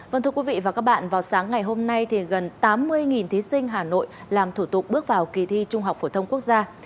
vâng thưa quý vị và các bạn vào sáng ngày hôm nay thì gần tám mươi thí sinh hà nội làm thủ tục bước vào kỳ thi trung học phổ thông quốc gia